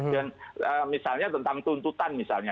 dan misalnya tentang tuntutan misalnya